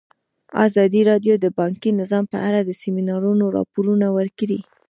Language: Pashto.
ازادي راډیو د بانکي نظام په اړه د سیمینارونو راپورونه ورکړي.